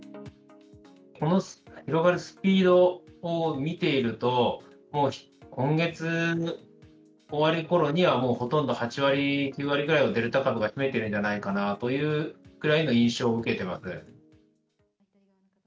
この広がるスピードを見ていると、もう今月終わるころには、もうほとんど８割、９割ぐらいはデルタ株が増えてるんじゃないかなというぐらいの印象を受けてます。